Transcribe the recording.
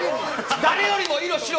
誰よりも色白い。